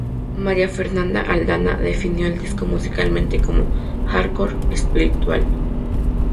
María Fernanda Aldana definió al disco musicalmente como "Hardcore Espiritual".